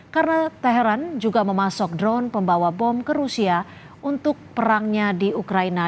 karena teheran juga memasok drone pembawa bom ke rusia untuk perangnya di ukraina